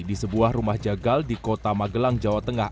di sebuah rumah jagal di kota magelang jawa tengah